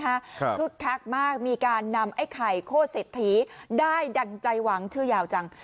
คึกคักมากมีการนำไอ้ไข่โคตรเศรษฐีได้ดั่งใจหวังชื่อยาวจัง